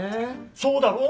そうだろう？